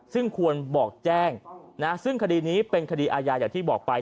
ซึ่งควรบอกแจ้งซึ่งคดีนี้เป็นคดีอาญาอย่างที่บอกไป